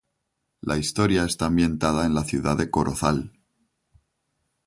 La historia está ambientada en la ciudad de Corozal.